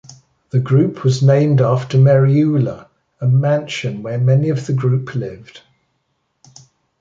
The group was named after "Merioola", a mansion where many of the group lived.